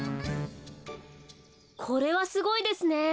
これはすごいですね。